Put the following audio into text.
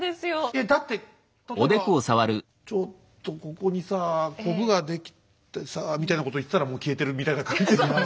えっだって例えば「ちょっとここにさこぶが出来てさ」みたいなこと言ってたらもう消えてるみたいな感じの。